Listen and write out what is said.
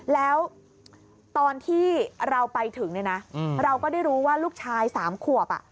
แล้วตอนที่เราไปถึงเนี่ยนะเราก็ได้รู้ว่าลูกชาย๓ขวบ